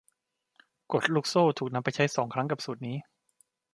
กฎลูกโซ่ถูกนำไปใช้สองครั้งกับสูตรนี้